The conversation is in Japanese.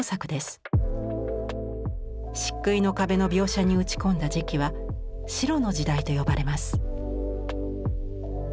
漆喰の壁の描写に打ち込んだ時期は「白の時代」と呼ばれます。